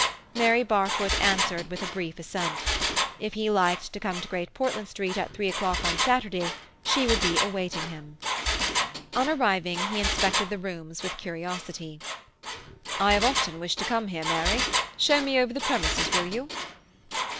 Miss Barfoot answered with brief assent. If he liked to come to Great Portland Street at three o'clock on Saturday she would be awaiting him. On arriving, he inspected the rooms with curiosity. "I have often wished to come here, Mary. Show me over the premises, will you?"